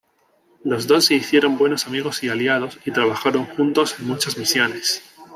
Los dos se hicieron buenos amigos y aliados, y trabajaron juntos en muchas misiones.